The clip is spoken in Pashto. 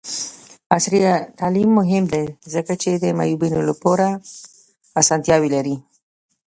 عصري تعلیم مهم دی ځکه چې د معیوبینو لپاره اسانتیاوې لري.